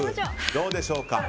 どうでしょうか。